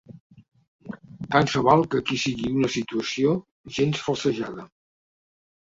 Tant se val que aquí sigui una situació gens falsejada.